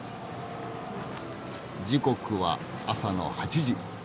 時刻は朝の８時。